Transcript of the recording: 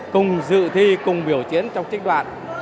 cùng dự thi cùng biểu chiến trong trích đoạn